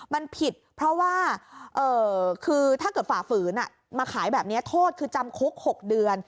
มันผิดเพราะว่าคือถ้าเกิดฝ่าฝืนมาขายแบบนี้โทษคือจำคุก๖เดือน